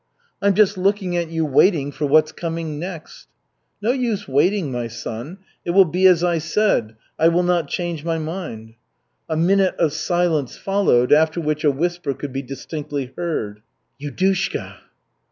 "I'm just looking at you waiting for what's coming next." "No use waiting, my son. It will be as I said. I will not change my mind." A minute of silence followed, after which a whisper could be distinctly heard. "Yudushka!"